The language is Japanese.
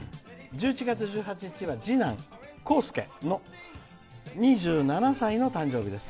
「１１月１８日は次男、こうすけの２７歳の誕生日です。